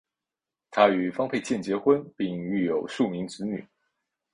他与方佩倩结婚并育有数名子女。